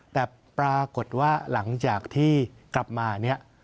แต่ปรากฏว่าหลังจากที่กลับมาเนี่ย